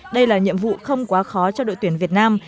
đây là nhiệm vụ không quá khó cho đội tuyển việt nam